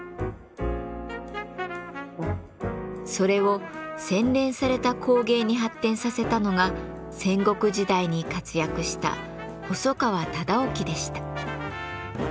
それを洗練された工芸に発展させたのが戦国時代に活躍した細川忠興でした。